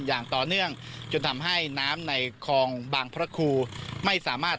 อย่างต่อเนื่องจนทำให้น้ำในคลองบางพระครูไม่สามารถ